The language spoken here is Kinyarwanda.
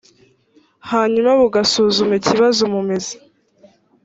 hanyuma bugasuzuma ikibazo mu mizi